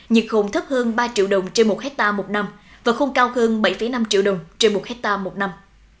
nhiệt hồn thấp hơn ba triệu đồng trên một hectare một năm và không cao hơn bảy năm triệu đồng trên một hectare một năm